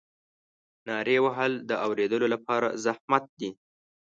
نارې وهل د اورېدلو لپاره زحمت دی.